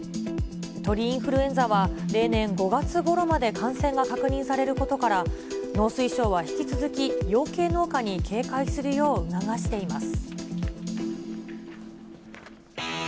鳥インフルエンザは例年５月ごろまで感染が確認されることから、農水省は引き続き養鶏農家に警戒するよう促しています。